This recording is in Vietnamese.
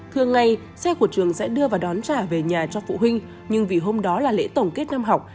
thường ngày xe của trường sẽ đưa và đón trả về nhà cho phụ huynh nhưng vì hôm đó là lễ tổng kết năm học